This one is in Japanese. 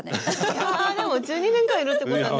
いやあでも１２年間いるってことはね。